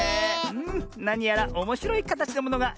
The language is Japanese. なにやらおもしろいかたちのものがでてきたね。